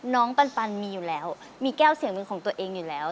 ปันมีอยู่แล้วมีแก้วเสียงมือของตัวเองอยู่แล้ว